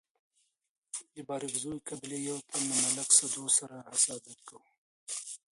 د بارکزيو قبيلي يو تن له ملک سدو سره حسادت کاوه.